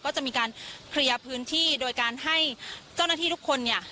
ก็จะมีการเคลียร์พื้นที่โดยการให้เจ้าหน้าที่ทุกคนเนี่ย